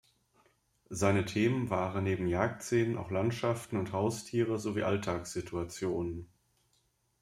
Seine Themen waren neben Jagdszenen auch Landschaften und Haustiere sowie Alltagssituationen.